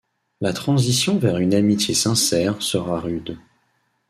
La transition vers une amitié sincère sera rude.